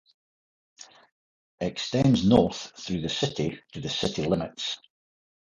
Extends north through the city to the city limits.